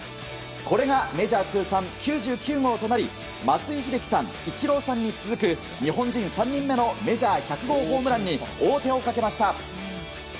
これがメジャー通算９９号となり松井秀喜さん、イチローさんに続く日本人３人目のメジャー１００号ホームランに王手をかけました。